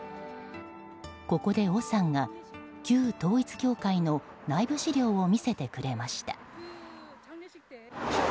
ここで、オさんが旧統一教会の内部資料を見せてくれました。